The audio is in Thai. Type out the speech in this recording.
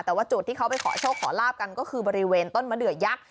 แต่ว่าจุดที่เขาไปขอโชคขอลาบกันก็คือบริเวณต้นมะเดือยักษ์